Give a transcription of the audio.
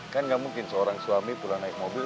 kan gak mungkin seorang suami pulang naik mobil